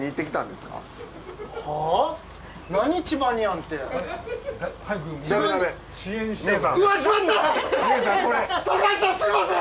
すみません！